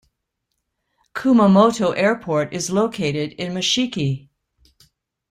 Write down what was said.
Kumamoto Airport is located in Mashiki.